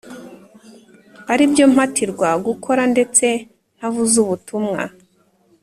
Ari byo mpatirwa gukora ndetse ntavuze ubutumwa